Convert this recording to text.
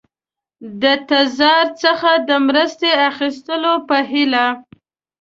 د تزار څخه د مرستې اخیستلو په هیله.